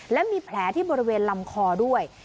และมีแผลที่บริเวณลำคอด้วย